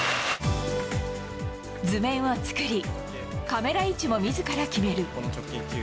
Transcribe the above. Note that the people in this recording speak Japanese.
図面を作り、カメラ位置もみずから決める。